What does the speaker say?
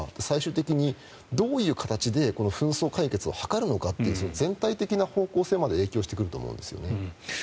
最終的にどういう形でこの紛争解決を図るのかっていう全体的な方向性まで影響してくると思うんですよね。